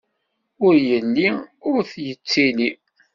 Ur yelli ur yettili!